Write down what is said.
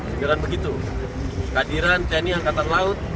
dengan begitu hadiran tni angkatan laut